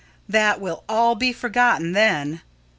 that will all be forgotten then.